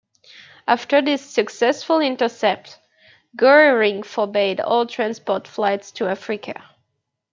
After this successful intercept, Goering forbade all transport flights to Africa.